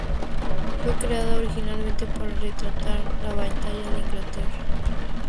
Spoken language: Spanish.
Fue creada originalmente para retratar la Batalla de Inglaterra.